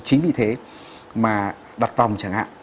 chính vì thế mà đặt vòng chẳng hạn